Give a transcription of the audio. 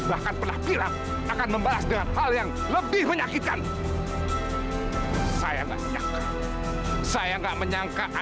bu saya tak boleh tinggalin mama nek